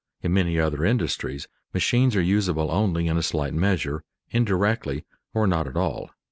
In many other industries machines are usable only in a slight measure, indirectly, or not at all.